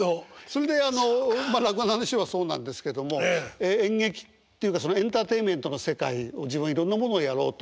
それであのまあ落語の話はそうなんですけども演劇っていうかエンターテインメントの世界を自分はいろんなものをやろうと。